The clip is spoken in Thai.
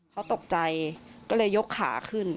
เขาตกใจก็เลยยกขาขึ้น